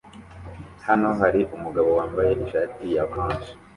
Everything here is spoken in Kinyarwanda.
Hano hari umugabo wambaye ishati ya orange